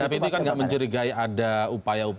tapi itu kan tidak menjerigai ada upaya upaya ya